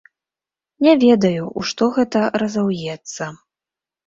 Не ведаю, у што гэта разаўецца.